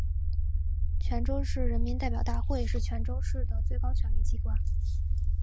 泉州市人民代表大会是泉州市的最高权力机关。